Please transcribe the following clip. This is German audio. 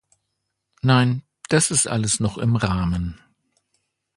Nein, das ist alles noch im Rahmen.